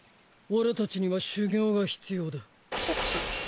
俺たちには修行が必要だ。